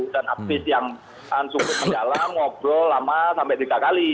dan abis yang cukup mendalam ngobrol lama sampai tiga kali